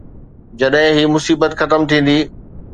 جڏهن هي مصيبت ختم ٿيندي.